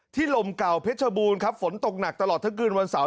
ลมเก่าเพชรบูรณ์ครับฝนตกหนักตลอดทั้งคืนวันเสาร์